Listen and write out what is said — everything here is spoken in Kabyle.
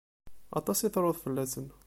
Aṭas i truḍ fell-asen.